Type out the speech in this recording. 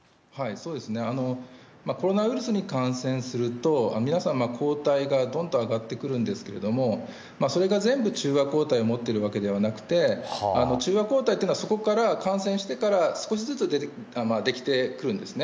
そうですね、コロナウイルスに感染すると、皆さん、抗体がどんと上がってくるんですけども、それが全部中和抗体を持っているわけではなくて、中和抗体っていうのは、そこから、感染してから少しずつ出来てくるんですね。